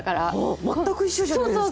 全く一緒じゃないですか。